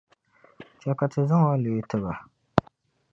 Chɛ ka ti zaŋ o n-leei ti bia.